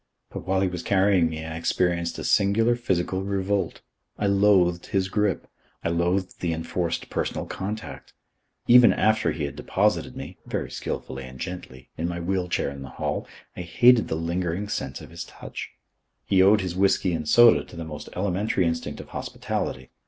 But while he was carrying me I experienced a singular physical revolt. I loathed his grip. I loathed the enforced personal contact. Even after he had deposited me very skilfully and gently in my wheel chair in the hall, I hated the lingering sense of his touch. He owed his whisky and soda to the most elementary instinct of hospitality.